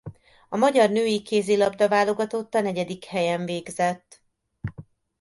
A magyar női kézilabda-válogatott a negyedik helyen végzett.